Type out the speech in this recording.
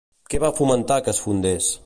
Què va fomentar que es fundés?